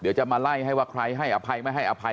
เดี๋ยวจะมาไล่ให้ว่าใครให้อภัยไม่ให้อภัย